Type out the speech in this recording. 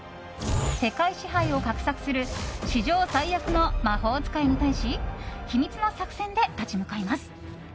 世界支配を画策する史上最悪の魔法使いに対し秘密の作戦で立ち向かいます。